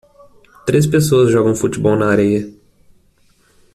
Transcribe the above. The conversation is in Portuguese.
três pessoas jogam futebol na areia.